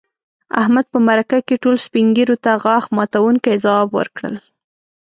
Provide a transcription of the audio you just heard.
احمد په مرکه کې ټولو سپین ږیرو ته غاښ ماتونکي ځوابوه ورکړل.